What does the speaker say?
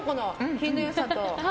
品の良さと。